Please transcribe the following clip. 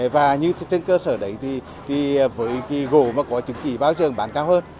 và như trên cơ sở đấy thì với cái gỗ mà có chứng chỉ báo rừng bán cao hơn